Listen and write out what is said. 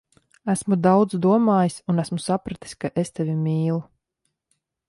Esmu daudz domājis, un esmu sapratis, ka es tevi mīlu.